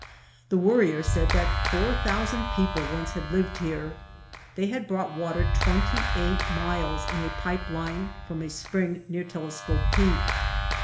The Worrier said that four thousand people once had lived here. They had brought water twenty eight miles in a pipe line from a spring near Telescope Peak.